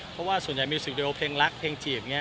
เพราะว่าส่วนใหญ่มิวสิกดีโอเพลงรักเพลงจีบอย่างนี้